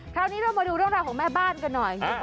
คราวนี้เรามาดูเรื่องราวของแม่บ้านกันหน่อย